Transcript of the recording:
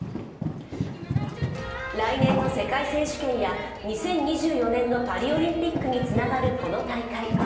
来年の世界選手権や２０２４年のパリオリンピックにつながるこの大会。